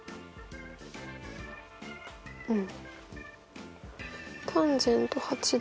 うん。